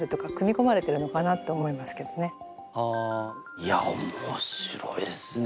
いや面白いですね。